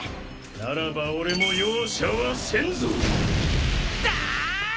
ならば俺も容赦はせんぞだあ！